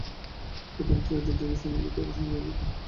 প্রথম চারিটি টীকা স্বামীজী দ্বারাই সংযোজিত।